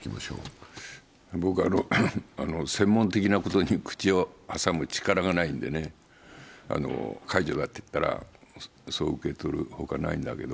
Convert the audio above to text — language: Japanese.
僕は専門的なことに口を挟む力がないんでね、解除が出たら、そう受け取るほかはないんだけど。